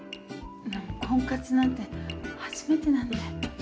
婚活なんて初めてなんで。